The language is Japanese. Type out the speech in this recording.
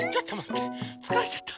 つかれちゃった。